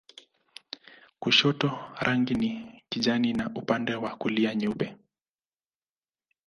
Kushoto rangi ni kijani na upande wa kulia nyeupe.